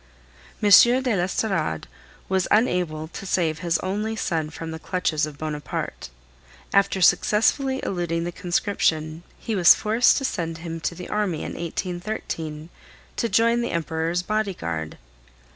M. de l'Estorade was unable to save his only son from the clutches of Bonaparte; after successfully eluding the conscription, he was forced to send him to the army in 1813, to join the Emperor's bodyguard.